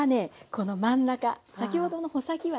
この真ん中先ほどの穂先はね